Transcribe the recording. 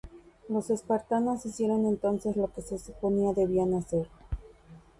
Los espartanos hicieron entonces lo que se suponía debían hacer.